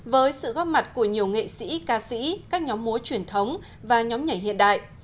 với sự góp mặt của nhiều nghệ sĩ ca sĩ các nhóm múa truyền thống và nhóm nhảy hiện đại